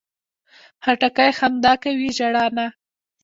خټکی خندا کوي، ژړا نه.